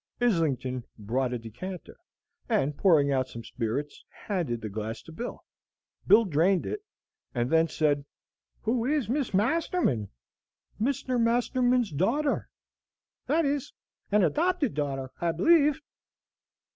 Islington brought a decanter, and, pouring out some spirits, handed the glass to Bill. Bill drained it, and then said, "Who is Miss Masterman?" "Mr. Masterman's daughter; that is, an adopted daughter, I believe."